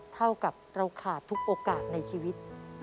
เท่ากับเราขาดทุกโอกาสในชีวิต